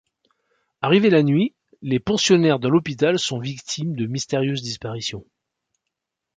Arrivée la nuit, les pensionnaires de l'hôpital sont victimes de mystérieuses disparitions.